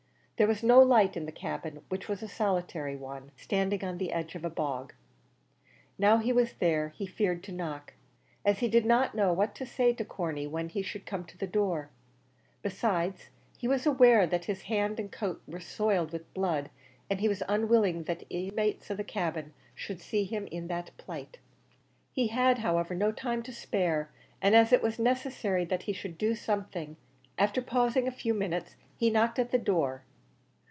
There was no light in the cabin, which was a solitary one, standing on the edge of a bog. Now he was there he feared to knock, as he did not know what to say to Corney when he should come to the door. Besides, he was aware that his hands and coat were soiled with blood, and he was unwilling that the inmates of the cabin should see him in that plight. He had, however, no time to spare, and as it was necessary that he should do something, after pausing a few minutes, he knocked at the door.